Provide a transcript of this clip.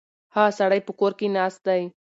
هغه سړی په کور کې ناست دی.